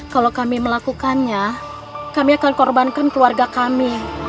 kalau kami melakukannya kami akan korbankan keluarga kami